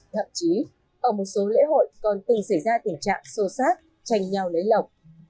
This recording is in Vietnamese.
thậm chí ở một số lễ hội còn từng xảy ra tình trạng xô xát tranh nhau lấy lọc